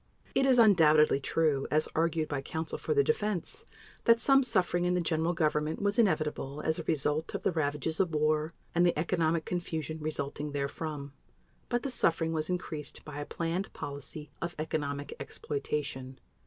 It is undoubtedly true, as argued by counsel for the Defense, that some suffering in the General Government was inevitable as a result of the ravages of war and the economic confusion resulting therefrom. But the suffering was increased by a planned policy of economic exploitation.